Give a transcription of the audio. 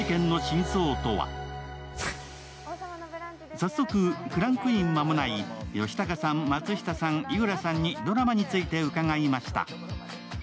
早速、クランクイン間もない吉高さん、井浦さん、松下さんにドラマについて伺いました。